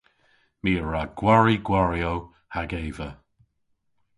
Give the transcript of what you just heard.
My a wra gwari gwariow hag eva.